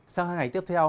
sau hai ngày tiếp theo